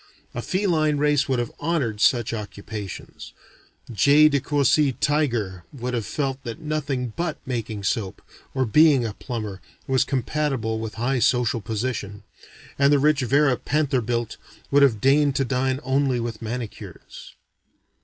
A feline race would have honored such occupations. J. de Courcy Tiger would have felt that nothing but making soap, or being a plumber, was compatible with a high social position; and the rich Vera Pantherbilt would have deigned to dine only with manicures.